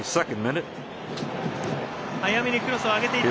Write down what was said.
早めにクロスを上げていった。